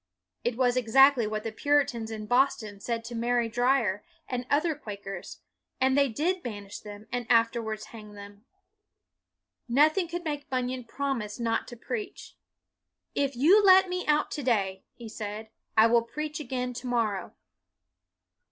1 It was exactly what the Puritans in Boston said to Mary Dyer and other Quakers; and they did banish them and afterwards hang them. Nothing could make Bunyan promise not to preach. " If you let me out to day," he said, " I will preach again to morrow.''